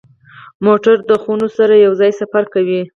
موټر د خونو سره یو ځای سفر کوي.